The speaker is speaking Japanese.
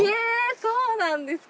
そうなんですか。